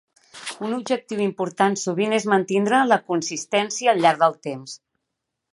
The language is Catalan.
Un objectiu important sovint és mantindre la consistència al llarg del temps.